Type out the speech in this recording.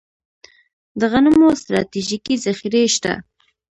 د غنمو ستراتیژیکې ذخیرې شته